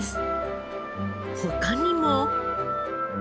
他にも。